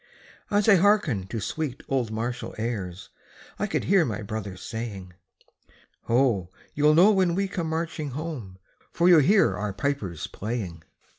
As I hearkened to sweet old martial airs I could hear my brother saying: "Ho! you'll know when we come marching home, For you'll hear our pipers playing."